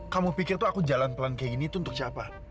kamu pikir tuh aku jalan pelan kayak gini tuh untuk siapa